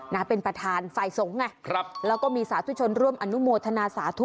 นะเป็นประธานฝ่ายสงฆ์ไงครับแล้วก็มีสาธุชนร่วมอนุโมทนาสาธุ